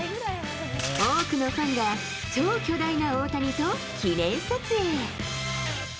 多くのファンが超巨大な大谷と記念撮影。